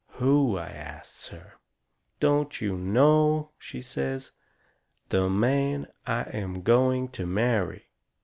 "Who?" I asts her. "Don't you know?" she says. "The man I am going to marry."